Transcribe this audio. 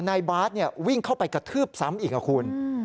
แบบบาร์ชวิ้งเข้าไปกระทืบซ้ำอีกนะครับคุณ